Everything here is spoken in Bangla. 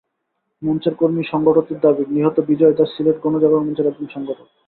মঞ্চের কর্মী-সংগঠকদের দাবি, নিহত বিজয় দাশ সিলেটে গণজাগরণ মঞ্চের একজন সংগঠক।